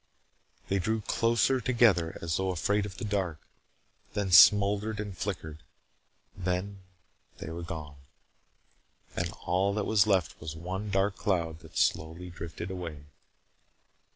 They drew closer together as though afraid of the dark. Then smoldered and flickered. Then they were gone. And all that was left was one dark cloud that slowly drifted away.